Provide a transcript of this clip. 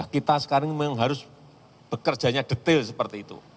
kita sekarang memang harus bekerjanya detail seperti itu